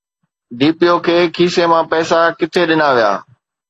D P O کي کيسي مان پئسا ڪٿي ڏنا ويا؟